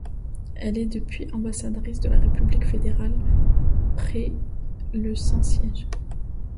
Elle est depuis ambassadrice de la République fédérale près le Saint-Siège.